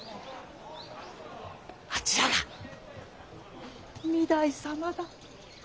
あちらが御台様だ。